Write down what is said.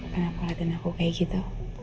kenapa lagu lagu aku kayak gitu